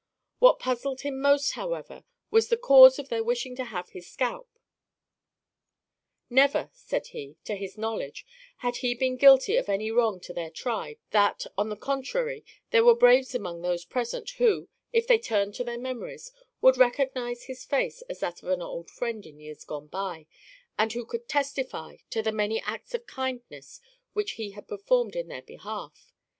What puzzled him most, however, was the cause of their wishing to have his scalp. Never," said he, "to his knowledge had he been guilty of any wrong to their tribe; that, on the contrary, there were braves among those present, who, if they turned to their memories, would recognize his face as that of an old friend in years gone by, and who could testify to the many acts of kindness which he had performed in their behalf."